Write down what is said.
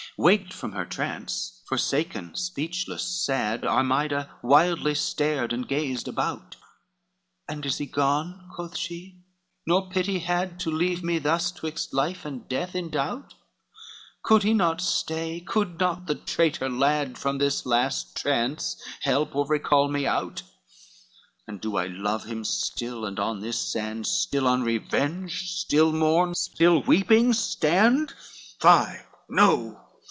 LXII Waked from her trance, foresaken, speechless, sad, Armida wildly stared and gazed about, "And is he gone," quoth she, "nor pity had To leave me thus twixt life and death in doubt? Could he not stay? could not the traitor lad From this last trance help or recall me out? And do I love him still, and on this sand Still unrevenged, still mourn, still weeping stand? LXIII "Fie no!